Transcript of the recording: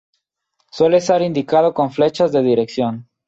Suele estar indicado con flechas de dirección.